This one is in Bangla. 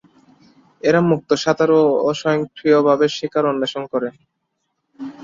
এরা মুক্ত সাঁতারু ও সক্রিয়ভাবে শিকার অন্বেষণ করে।